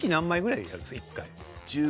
１回。